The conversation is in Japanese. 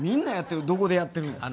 どこでやってるの？